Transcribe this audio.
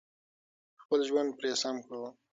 خپل ژوند پرې سم کړو.